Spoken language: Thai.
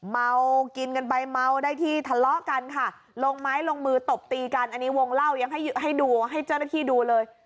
เมากินกันไปเมาได้ที่ทะเลาะกันค่ะลงไม้ลงมือตบตีกันอันนี้วงเล่ายังให้ดูให้เจ้าหน้าที่ดูเลย